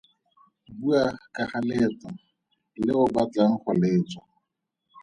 Bua ka ga leeto le o batlang go le tswa.